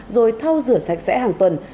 rồi thâu rửa sạch sẽ hàng tuần